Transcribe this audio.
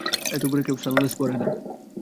এত ভোরে কেউ সানগ্লাস পরে না।